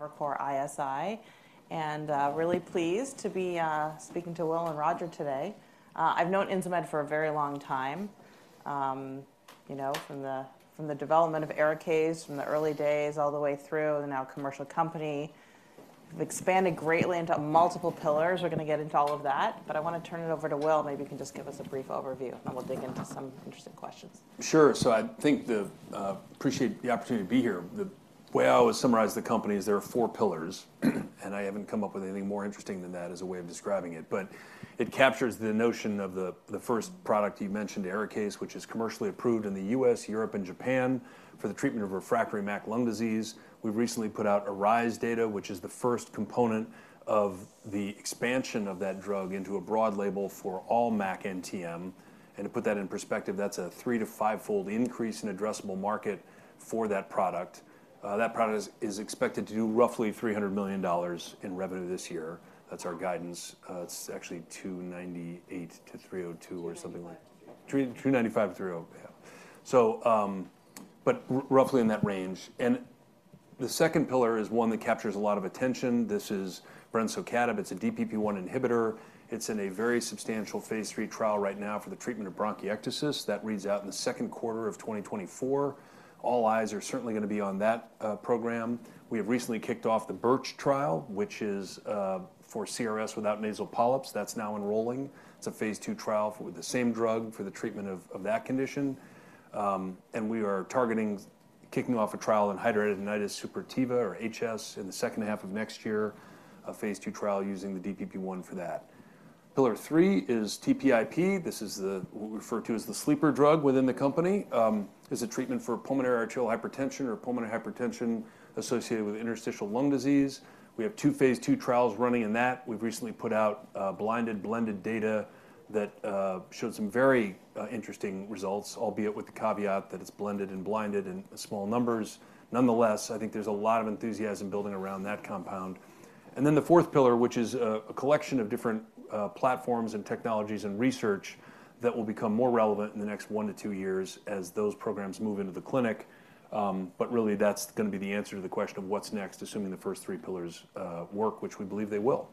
Evercore ISI, really pleased to be speaking to Will and Roger today. I've known Insmed for a very long time, you know, from the development of ARIKAYCE, from the early days all the way through. They're now a commercial company. They've expanded greatly into multiple pillars. We're gonna get into all of that, but I want to turn it over to Will. Maybe you can just give us a brief overview, and then we'll dig into some interesting questions. Sure. So I think appreciate the opportunity to be here. The way I always summarize the company is there are four pillars, and I haven't come up with anything more interesting than that as a way of describing it. But it captures the notion of the first product you mentioned, ARIKAYCE, which is commercially approved in the U.S., Europe, and Japan for the treatment of refractory MAC lung disease. We've recently put out ARISE data, which is the first component of the expansion of that drug into a broad label for all MAC, NTM. And to put that in perspective, that's a 3-5 fold increase in addressable market for that product. That product is expected to do roughly $300 million in revenue this year. That's our guidance. It's actually $298 million-$302 million or something like- 395. 3,395, yeah. So, but roughly in that range. And the second pillar is one that captures a lot of attention. This is brensocatib. It's a DPP-1 inhibitor. It's in a very substantial phase III trial right now for the treatment of bronchiectasis. That reads out in the second quarter of 2024. All eyes are certainly gonna be on that program. We have recently kicked off the BiRCh trial, which is for CRS without nasal polyps. That's now enrolling. It's a phase II trial with the same drug for the treatment of that condition. And we are targeting kicking off a trial in hidradenitis suppurativa, or HS, in the second half of next year, a phase II trial using the DPP-1 for that. Pillar three is TPIP. This is the... What we refer to as the sleeper drug within the company. It's a treatment for pulmonary arterial hypertension or pulmonary hypertension associated with interstitial lung disease. We have two phase II trials running in that. We've recently put out blinded, blended data that showed some very interesting results, albeit with the caveat that it's blended and blinded in small numbers. Nonetheless, I think there's a lot of enthusiasm building around that compound. And then the fourth pillar, which is a collection of different platforms and technologies and research that will become more relevant in the next one to two years as those programs move into the clinic. But really, that's gonna be the answer to the question of what's next, assuming the first three pillars work, which we believe they will.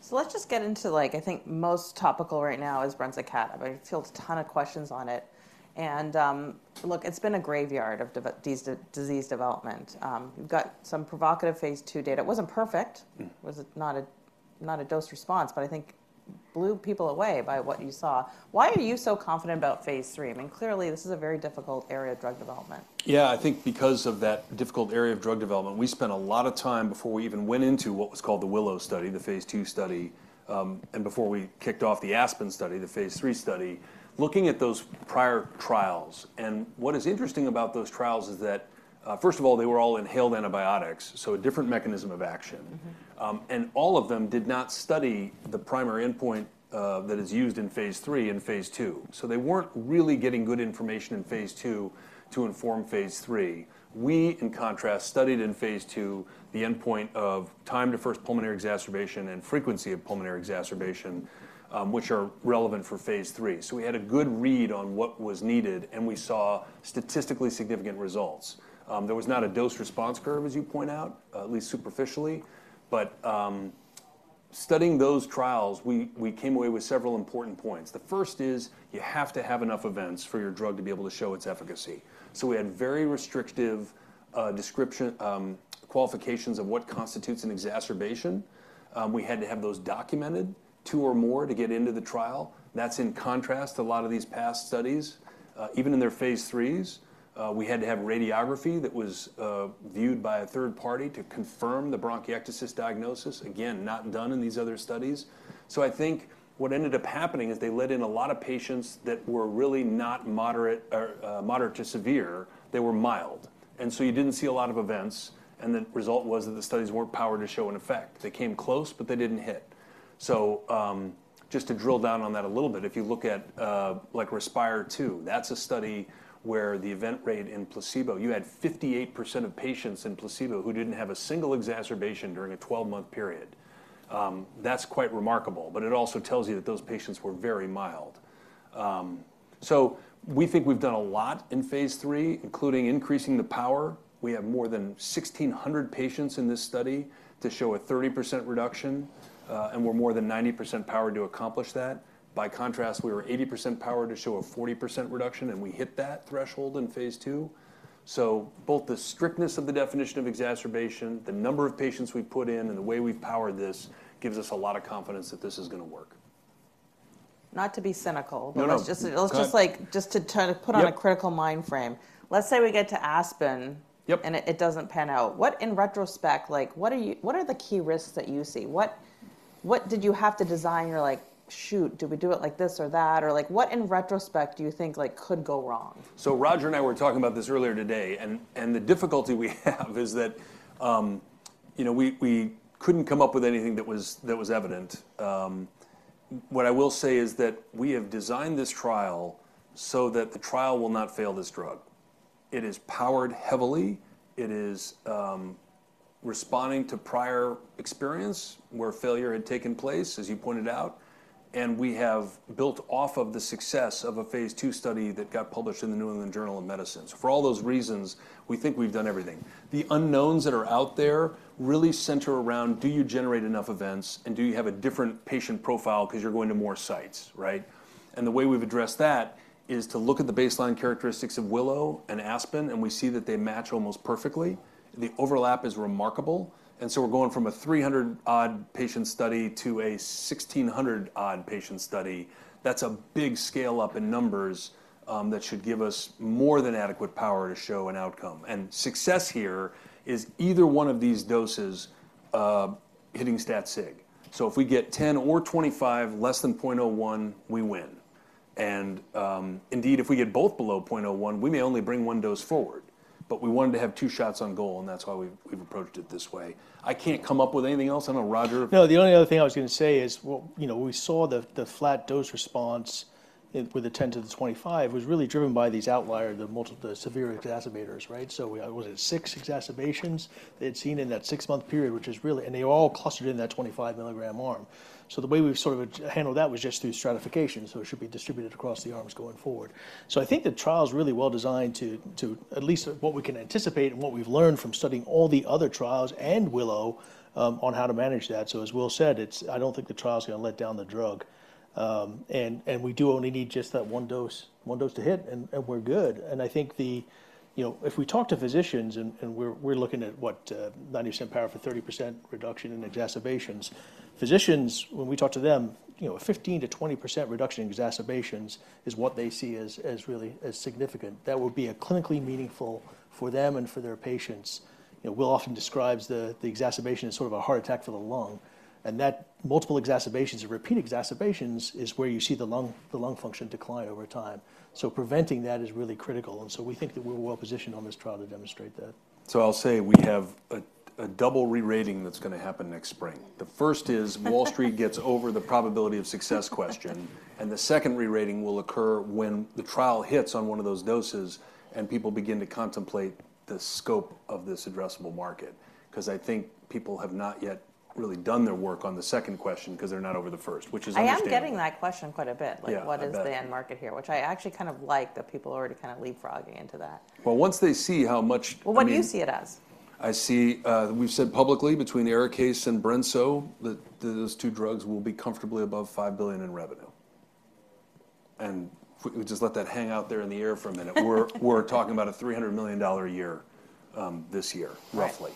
So let's just get into, like, I think most topical right now is brensocatib. I field a ton of questions on it, and, look, it's been a graveyard of disease development. You've got some provocative phase II data. It wasn't perfect. Mm. It was not a dose response, but I think blew people away by what you saw. Why are you so confident about phase III? I mean, clearly, this is a very difficult area of drug development. Yeah, I think because of that difficult area of drug development, we spent a lot of time before we even went into what was called the WILLOW study, the phase II study, and before we kicked off the ASPEN study, the phase III study, looking at those prior trials. What is interesting about those trials is that, first of all, they were all inhaled antibiotics, so a different mechanism of action. Mm-hmm. All of them did not study the primary endpoint that is used in phase III and phase II. So they weren't really getting good information in phase II to inform phase III. We, in contrast, studied in phase II the endpoint of time to first pulmonary exacerbation and frequency of pulmonary exacerbation, which are relevant for phase III. So we had a good read on what was needed, and we saw statistically significant results. There was not a dose-response curve, as you point out, at least superficially, but studying those trials, we came away with several important points. The first is, you have to have enough events for your drug to be able to show its efficacy. So we had very restrictive description qualifications of what constitutes an exacerbation. We had to have those documented two or more to get into the trial. That's in contrast to a lot of these past studies. Even in their phase IIIs, we had to have radiography that was viewed by a third party to confirm the bronchiectasis diagnosis. Again, not done in these other studies. So I think what ended up happening is they let in a lot of patients that were really not moderate, or, moderate to severe. They were mild, and so you didn't see a lot of events, and the result was that the studies weren't powered to show an effect. They came close, but they didn't hit. So, just to drill down on that a little bit, if you look at, like RESPIRE 2, that's a study where the event rate in placebo, you had 58% of patients in placebo who didn't have a single exacerbation during a 12-month period. That's quite remarkable, but it also tells you that those patients were very mild. So we think we've done a lot in phase III, including increasing the power. We have more than 1,600 patients in this study to show a 30% reduction, and we're more than 90% powered to accomplish that. By contrast, we were 80% powered to show a 40% reduction, and we hit that threshold in phase II. Both the strictness of the definition of exacerbation, the number of patients we've put in, and the way we've powered this gives us a lot of confidence that this is gonna work. Not to be cynical- No, no. but let's just like- Go ahead. - just to try to put on a- Yep... critical mind frame. Let's say we get to ASPEN- Yep... and it, it doesn't pan out. What, in retrospect, like, what are you—what are the key risks that you see? What, what did you have to design, you're like, "Shoot, do we do it like this or that?" Or like, what, in retrospect, do you think, like, could go wrong? So Roger and I were talking about this earlier today, and the difficulty we have is that, you know, we couldn't come up with anything that was evident. What I will say is that we have designed this trial so that the trial will not fail this drug. It is powered heavily. It is responding to prior experience where failure had taken place, as you pointed out, and we have built off of the success of a phase II study that got published in the New England Journal of Medicine. So for all those reasons, we think we've done everything. The unknowns that are out there really center around, do you generate enough events, and do you have a different patient profile because you're going to more sites, right? The way we've addressed that is to look at the baseline characteristics of WILLOW and ASPEN, and we see that they match almost perfectly. The overlap is remarkable, and so we're going from a 300-odd patient study to a 1,600-odd patient study. That's a big scale-up in numbers that should give us more than adequate power to show an outcome. Success here is either one of these doses hitting stat sig. If we get 10 or 25, less than 0.01, we win. Indeed, if we get both below 0.01, we may only bring one dose forward, but we wanted to have two shots on goal, and that's why we've approached it this way. I can't come up with anything else. I don't know, Roger? No, the only other thing I was gonna say is, well, you know, we saw the, the flat dose response with the 10 to the 25 was really driven by these outlier, the multiple, the severe exacerbators, right? So we, was it six exacerbations they'd seen in that six month period, which is really... And they all clustered in that 25 mg arm. So the way we've sort of handled that was just through stratification, so it should be distributed across the arms going forward. So I think the trial is really well designed to, to at least what we can anticipate and what we've learned from studying all the other trials and WILLOW, on how to manage that. So as Will said, it's- I don't think the trial is gonna let down the drug. We do only need just that one dose, one dose to hit, and we're good. And I think, you know, if we talk to physicians, and we're looking at 90% power for 30% reduction in exacerbations. Physicians, when we talk to them, you know, a 15%-20% reduction in exacerbations is what they see as really significant. That would be a clinically meaningful for them and for their patients. You know, Will often describes the exacerbation as sort of a heart attack for the lung, and that multiple exacerbations or repeated exacerbations is where you see the lung function decline over time. So preventing that is really critical, and so we think that we're well positioned on this trial to demonstrate that. So I'll say we have a double re-rating that's gonna happen next spring. The first is Wall Street gets over the probability of success question, and the second re-rating will occur when the trial hits on one of those doses, and people begin to contemplate the scope of this addressable market. 'Cause I think people have not yet really done their work on the second question 'cause they're not over the first, which is understandable. I am getting that question quite a bit- Yeah, I bet. Like, what is the end market here? Which I actually kind of like that people are already kind of leapfrogging into that. Well, once they see how much, I mean- Well, what do you see it as? I see, we've said publicly between ARIKAYCE and brensocatib, that those two drugs will be comfortably above $5 billion in revenue. If we could just let that hang out there in the air for a minute. We're talking about a $300 million a year, this year- Right... roughly.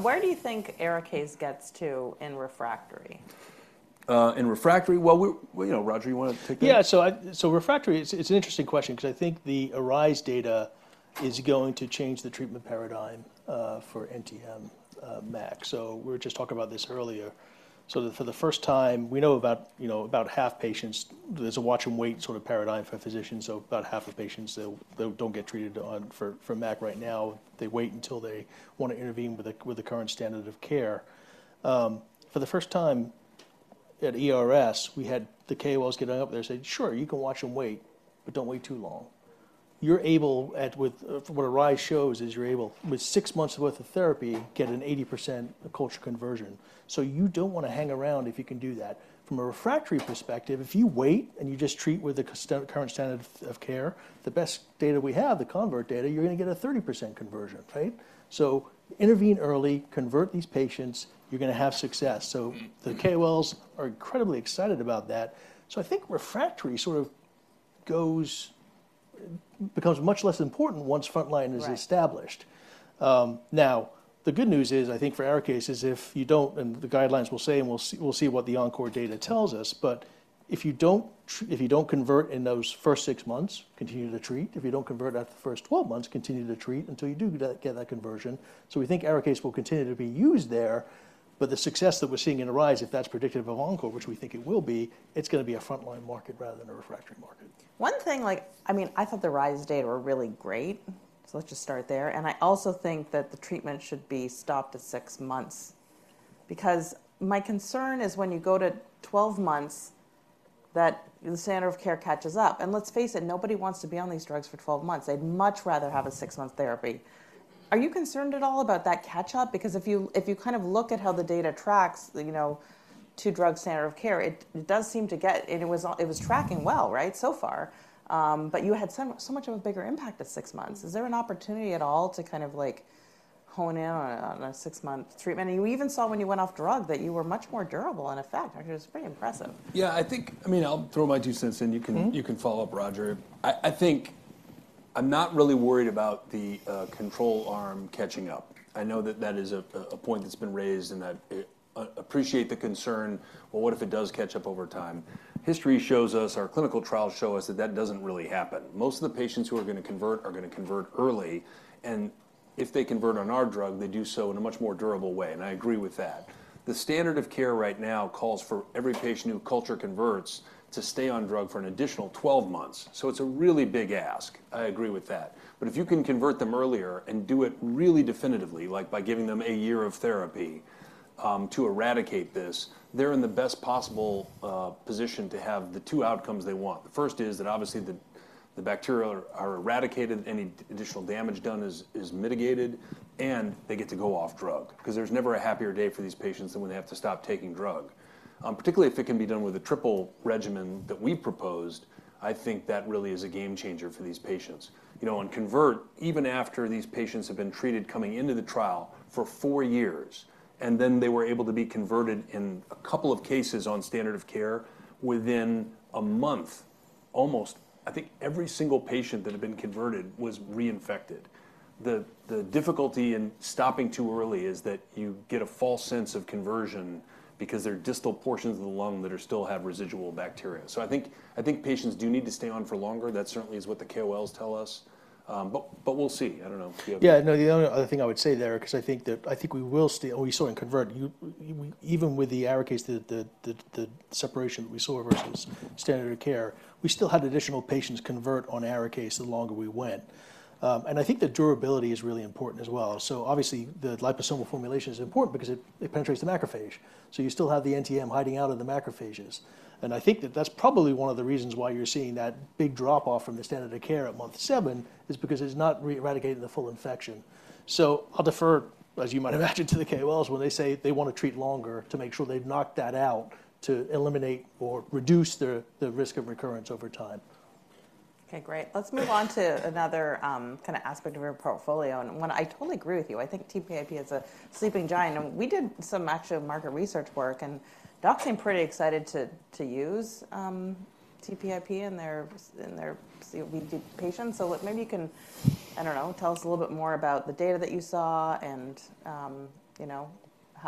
Where do you think ARIKAYCE gets to in refractory? In refractory? Well, well, you know, Roger, you want to take that? Yeah, so refractory, it's an interesting question 'cause I think the ARISE data is going to change the treatment paradigm for NTM, MAC. So we were just talking about this earlier. So for the first time, we know about, you know, about half the patients, there's a watch and wait sort of paradigm for physicians, so about half the patients, they don't get treated for MAC right now. They wait until they want to intervene with the current standard of care. For the first time at ERS, we had the KOLs get up there and say, "Sure, you can watch and wait, but don't wait too long." What ARISE shows is you're able, with six months worth of therapy, get an 80% culture conversion, so you don't wanna hang around if you can do that. From a refractory perspective, if you wait, and you just treat with the current standard of care, the best data we have, the CONVERT data, you're gonna get a 30% conversion, right? So intervene early, convert these patients, you're gonna have success. So the KOLs are incredibly excited about that. So I think refractory sort of becomes much less important once frontline is established. Right. Now, the good news is, I think for our case, is if you don't, and the guidelines will say, and we'll see, we'll see what the ENCORE data tells us, but if you don't convert in those first six months, continue to treat. If you don't convert after the first 12 months, continue to treat until you do get that conversion. So we think ARIKAYCE will continue to be used there, but the success that we're seeing in ARISE, if that's predictive of ENCORE, which we think it will be, it's gonna be a frontline market rather than a refractory market. One thing, like, I mean, I thought the ARISE data were really great, so let's just start there. I also think that the treatment should be stopped at six months because my concern is when you go to 12 months, that the standard of care catches up. Let's face it, nobody wants to be on these drugs for 12 months. They'd much rather have a six month therapy. Are you concerned at all about that catch-up? Because if you kind of look at how the data tracks, you know, to drug standard of care, it does seem to get... And it was tracking well, right, so far. But you had so, so much of a bigger impact at six months. Is there an opportunity at all to kind of, like, hone in on a six month treatment? We even saw when you went off drug that you were much more durable in effect, which was pretty impressive. Yeah, I think... I mean, I'll throw my two cents in- Mm-hmm. You can, you can follow up, Roger. I think I'm not really worried about the control arm catching up. I know that that is a point that's been raised, and I appreciate the concern. Well, what if it does catch up over time? History shows us, our clinical trials show us that that doesn't really happen. Most of the patients who are gonna convert are gonna convert early, and if they convert on our drug, they do so in a much more durable way, and I agree with that. The standard of care right now calls for every patient who culture converts to stay on drug for an additional 12 months, so it's a really big ask. I agree with that. But if you can convert them earlier and do it really definitively, like by giving them a year of therapy to eradicate this, they're in the best possible position to have the two outcomes they want. The first is that, obviously, the bacteria are eradicated, any additional damage done is mitigated, and they get to go off drug. 'Cause there's never a happier day for these patients than when they have to stop taking drug. Particularly if it can be done with a triple regimen that we proposed, I think that really is a game changer for these patients. You know, on CONVERT, even after these patients have been treated coming into the trial for four years, and then they were able to be converted in a couple of cases on standard of care, within a month, almost—I think every single patient that had been converted was reinfected. The difficulty in stopping too early is that you get a false sense of conversion because there are distal portions of the lung that are still have residual bacteria. So I think patients do need to stay on for longer. That certainly is what the KOLs tell us. But we'll see. I don't know if you have- Yeah, no, the only other thing I would say there, 'cause I think that—I think we will still... We saw in CONVERT, even with the ARIKAYCE, the separation we saw versus standard of care, we still had additional patients convert on ARIKAYCE the longer we went. And I think the durability is really important as well. So obviously, the liposomal formulation is important because it penetrates the macrophage. So you still have the NTM hiding out in the macrophages. And I think that that's probably one of the reasons why you're seeing that big drop-off from the standard of care at month seven is because it's not re-eradicating the full infection. I'll defer, as you might imagine, to the KOLs, when they say they wanna treat longer to make sure they've knocked that out, to eliminate or reduce the risk of recurrence over time. Okay, great. Let's move on to another kind of aspect of your portfolio, and one I totally agree with you. I think TPIP is a sleeping giant, and we did some actual market research work, and docs seem pretty excited to use TPIP in their COPD patients. So what—maybe you can, I don't know, tell us a little bit more about the data that you saw and, you know,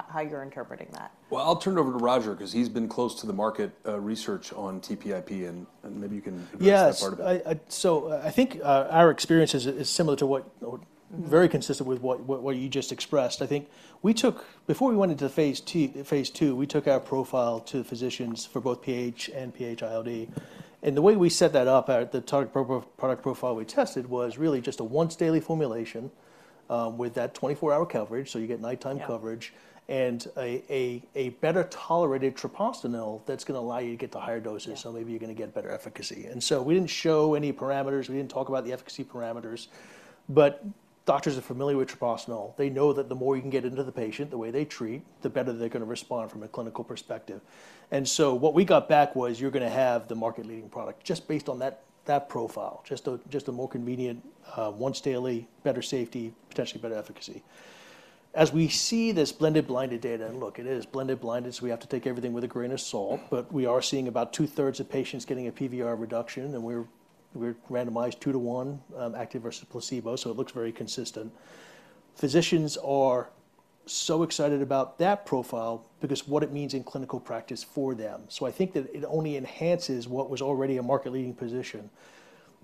how you're interpreting that. Well, I'll turn it over to Roger, 'cause he's been close to the market, research on TPIP, and maybe you can- Yes.... address that part of it. So I think our experience is similar to what or- Mm... very consistent with what you just expressed. I think we took—Before we went into the phase II, we took our profile to physicians for both PAH and PH-ILD. And the way we set that up, the target product profile we tested was really just a once daily formulation, with that 24-hour coverage, so you get nighttime coverage- Yeah... and a better tolerated treprostinil that's gonna allow you to get to higher doses- Yeah... so maybe you're gonna get better efficacy. So we didn't show any parameters. We didn't talk about the efficacy parameters, but doctors are familiar with treprostinil. They know that the more you can get into the patient, the way they treat, the better they're gonna respond from a clinical perspective. So what we got back was: You're gonna have the market-leading product just based on that profile, just a more convenient, once-daily, better safety, potentially better efficacy. As we see this blended, blinded data, and look, it is blended, blinded, so we have to take everything with a grain of salt, but we are seeing about two-thirds of patients getting a PVR reduction, and we're randomized 2-1, active versus placebo, so it looks very consistent. Physicians are so excited about that profile because what it means in clinical practice for them. So I think that it only enhances what was already a market-leading position.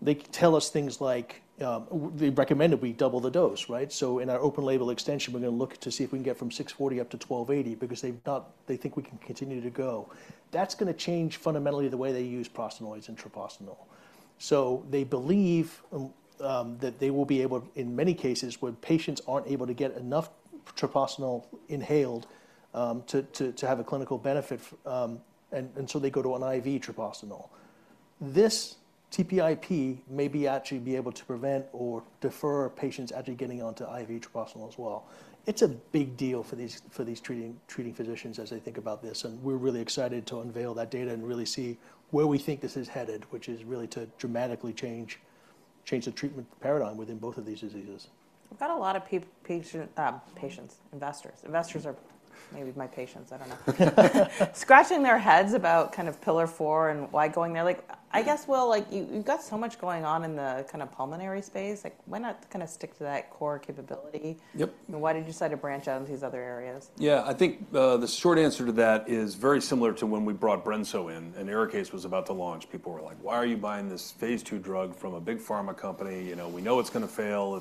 They tell us things like... They recommended we double the dose, right? So in our open-label extension, we're gonna look to see if we can get from 640 up to 1280 because they've got-- they think we can continue to go. That's gonna change fundamentally the way they use prostanoids and treprostinil. So they believe that they will be able, in many cases, when patients aren't able to get enough treprostinil inhaled, to have a clinical benefit, and so they go to an IV treprostinil. This TPIP may actually be able to prevent or defer patients actually getting onto IV treprostinil as well. It's a big deal for these treating physicians as they think about this, and we're really excited to unveil that data and really see where we think this is headed, which is really to dramatically change the treatment paradigm within both of these diseases. We've got a lot of patient, patients, investors. Investors are maybe my patients, I don't know. Scratching their heads about kind of pillar four and why going there. Like, I guess, well, like, you, you've got so much going on in the kind of pulmonary space. Like, why not kind of stick to that core capability? Yep. Why did you decide to branch out into these other areas? Yeah, I think, the short answer to that is very similar to when we brought brensocatib in, and ARIKAYCE was about to launch. People were like: "Why are you buying this phase II drug from a big pharma company? You know, we know it's gonna fail.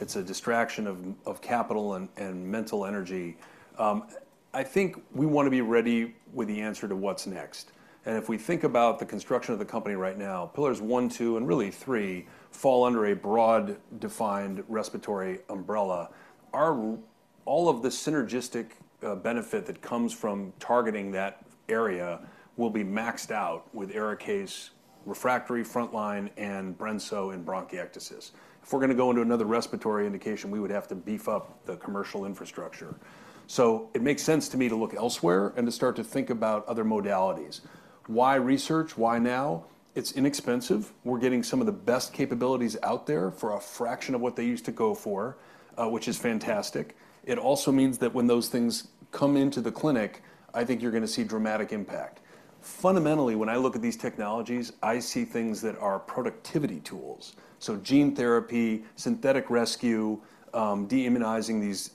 It's a distraction of capital and mental energy." I think we wanna be ready with the answer to what's next. If we think about the construction of the company right now, pillars one, two, and really three fall under a broad, defined respiratory umbrella. Our all of the synergistic benefit that comes from targeting that area will be maxed out with ARIKAYCE, refractory frontline, and brensocatib in bronchiectasis. If we're gonna go into another respiratory indication, we would have to beef up the commercial infrastructure. So it makes sense to me to look elsewhere and to start to think about other modalities. Why research? Why now? It's inexpensive. We're getting some of the best capabilities out there for a fraction of what they used to go for, which is fantastic. It also means that when those things come into the clinic, I think you're gonna see dramatic impact. Fundamentally, when I look at these technologies, I see things that are productivity tools, so gene therapy, synthetic rescue, deimmunizing these,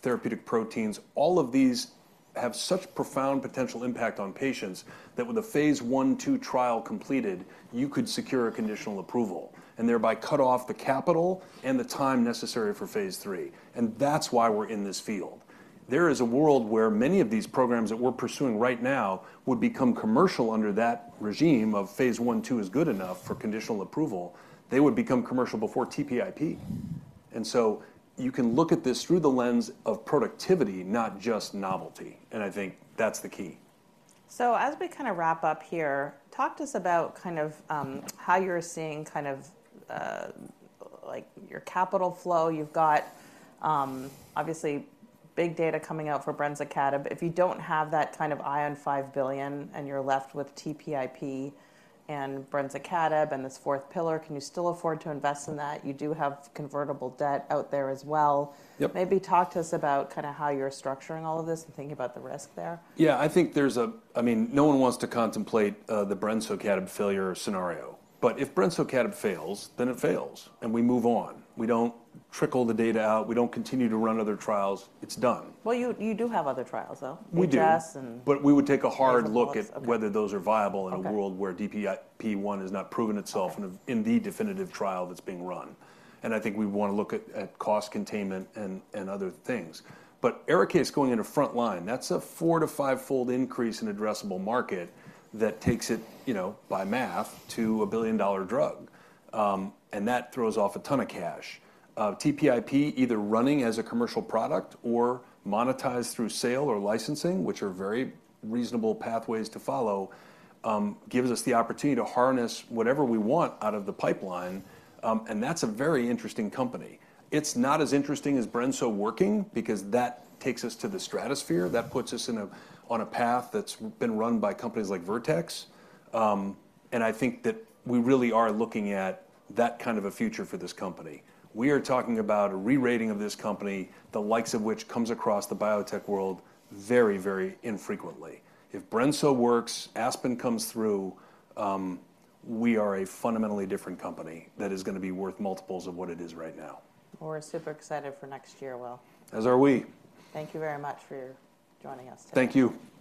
therapeutic proteins. All of these have such profound potential impact on patients that with a phase I, II trial completed, you could secure a conditional approval and thereby cut off the capital and the time necessary for phase III. And that's why we're in this field. There is a world where many of these programs that we're pursuing right now would become commercial under that regime of phase I, II is good enough for conditional approval. They would become commercial before TPIP. And so you can look at this through the lens of productivity, not just novelty, and I think that's the key.... So as we kind of wrap up here, talk to us about kind of, how you're seeing kind of, like, your capital flow. You've got, obviously big data coming out for brensocatib. If you don't have that kind of eye on $5 billion, and you're left with TPIP and brensocatib and this fourth pillar, can you still afford to invest in that? You do have convertible debt out there as well. Yep. Maybe talk to us about kind of how you're structuring all of this and thinking about the risk there? Yeah, I think there's a—I mean, no one wants to contemplate the brensocatib failure scenario. But if brensocatib fails, then it fails, and we move on. We don't trickle the data out. We don't continue to run other trials. It's done. Well, you do have other trials, though. We do. With HS and- We would take a hard look at- Okay... whether those are viable in a world- Okay... where DPP1 has not proven itself- Okay... in the definitive trial that's being run. And I think we'd want to look at cost containment and other things. But ARIKAYCE is going into frontline. That's a 4-5 fold increase in addressable market that takes it, you know, by math, to a billion-dollar drug. And that throws off a ton of cash. TPIP, either running as a commercial product or monetized through sale or licensing, which are very reasonable pathways to follow, gives us the opportunity to harness whatever we want out of the pipeline, and that's a very interesting company. It's not as interesting as brensocatib working because that takes us to the stratosphere. That puts us in a, on a path that's been run by companies like Vertex. And I think that we really are looking at that kind of a future for this company. We are talking about a re-rating of this company, the likes of which comes across the biotech world very, very infrequently. If brensocatib works, ASPEN comes through, we are a fundamentally different company that is gonna be worth multiples of what it is right now. Well, we're super excited for next year, Will. As are we. Thank you very much for joining us today. Thank you.